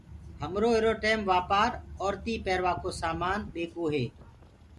همرو ايرو ٽيم وآپآر اورتي پيروآ ڪو سآمآن ٻيڪوو هي